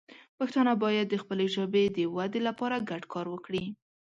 پښتانه باید د خپلې ژبې د وده لپاره ګډ کار وکړي.